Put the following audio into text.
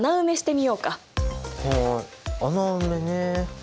はい穴埋めね。